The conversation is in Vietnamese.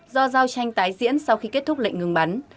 do giao tranh tái diễn sau khi kết thúc lệnh ngừng bắn